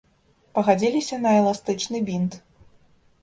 Пагадзіліся на эластычны бінт.